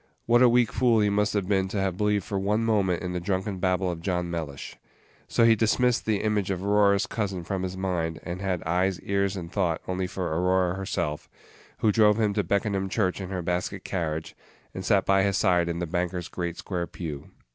What a weak fool he must have been to have believed for one moment in the drunken babble of John Mellish! So he dismissed the image of Aurora's cousin from his mind, and had eyes, ears, and thought only for Aurora herself, who drove him to Beckenham church in her basket carriage, and sat by his side in the banker's great square pew.